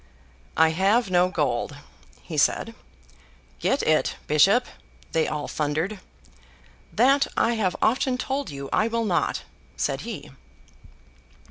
'I have no gold,' he said. 'Get it, bishop!' they all thundered. 'That, I have often told you I will not,' said he.